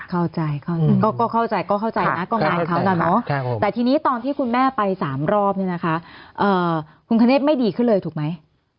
เข้าใจก็เข้าใจก็เข้าใจแต่ทีนี้ตอนที่คุณแม่ไปสามรอบนี่นะคะคุณคณเนธไม่ดีขึ้นเลยถูกไหม